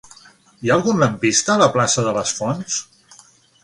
Hi ha algun lampista a la plaça de les Fonts?